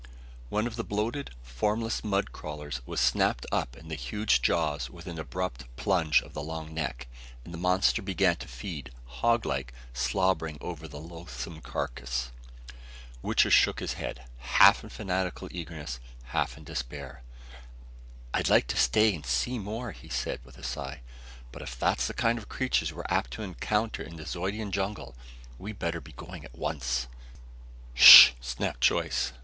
One of the bloated, formless mud crawlers was snapped up in the huge jaws with an abrupt plunge of the long neck, and the monster began to feed, hog like, slobbering over the loathsome carcass. Wichter shook his head, half in fanatical eagerness, half in despair. "I'd like to stay and see more," he said with a sigh, "but if that's the kind of creatures we're apt to encounter in the Zeudian jungle, we'd better be going at once " "Sh h!" snapped Joyce.